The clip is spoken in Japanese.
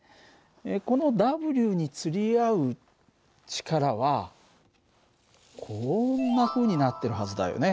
このＷにつり合う力はこんなふうになってるはずだよね。